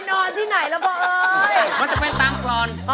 มันจะเป็นตามกรรม